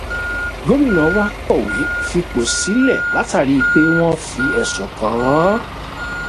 Gómìnà wa kọ̀wé fipò sílẹ̀ látàrí pé wọn fi ẹ̀sùn kàn án.